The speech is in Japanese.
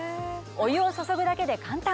お湯を注ぐだけで簡単。